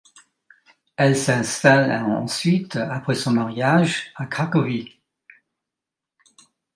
Elle s'installe ensuite après son mariage à Cracovie.